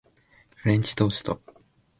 フレンチトースト